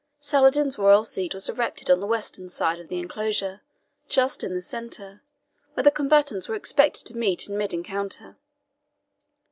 Saladin's royal seat was erected on the western side of the enclosure, just in the centre, where the combatants were expected to meet in mid encounter.